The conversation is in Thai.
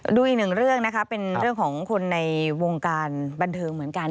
ดูอีกหนึ่งเรื่องนะคะเป็นเรื่องของคนในวงการบันเทิงเหมือนกัน